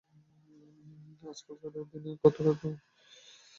আজকালকার দিনে কতো আর শুধু শুধু এ-রকম দান খারাত করে না।